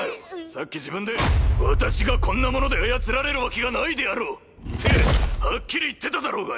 さっき自分で「私がこんなもので操られるわけがないであろう！」ってはっきり言ってただろうがよ！